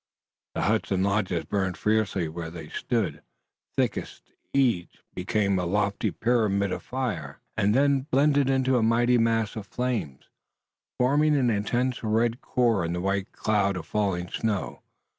The huts and lodges burned fiercely. Where they stood thickest each became a lofty pyramid of fire and then blended into a mighty mass of flames, forming an intense red core in the white cloud of falling snow.